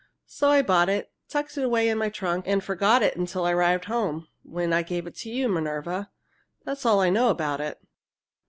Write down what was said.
So I bought it, tucked it away in my trunk, and forgot it till I arrived home, when I gave it to you, Minerva. That's all I know about it."